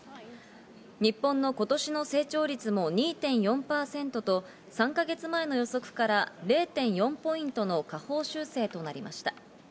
日本の今年の成長率も２．４％と、３か月前の予測から０．４ポイントの下方修正となりました。